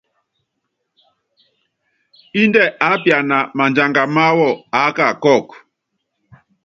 Índɛ aápiana madianga máwú aáka kɔ́ɔku.